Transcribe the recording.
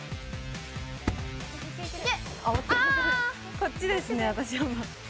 こっちですね私は。